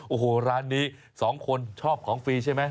โอ้โหร้านนี้สองคนชอบของฟรีใช่ไหม